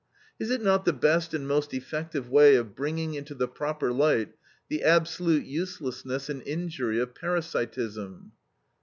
Is it not the best and most effective way of bringing into the proper light the absolute uselessness and injury of parasitism?